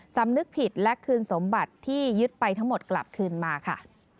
สำนึกผิดและคืนสมบัติที่ยึดไปทั้งหมดกลับคืนมาค่ะ